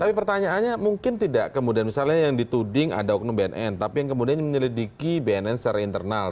tapi pertanyaannya mungkin tidak kemudian misalnya yang dituding ada oknum bnn tapi yang kemudian menyelidiki bnn secara internal